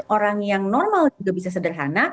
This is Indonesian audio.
orang yang normal juga bisa sederhana